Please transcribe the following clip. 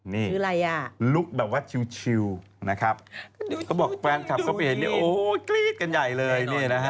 นี่ลุกแบบว่าชิวนะครับต้องบอกแฟนคับเขาไปเห็นโอ้โหกรี๊ดกันใหญ่เลย